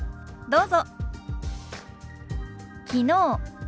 どうぞ。